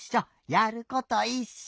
やることいっしょ。